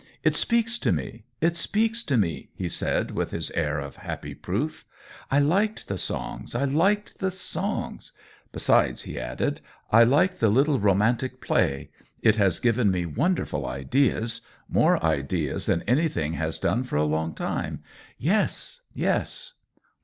" It speaks to me — it speaks to me," he said, with his air of happy proof. " I liked the songs — I liked the songs. Besides," he added, " I like the little romantic play — it has given me wonderful ideas ; more ideas than any thing has done for a long time. . Yes — yes."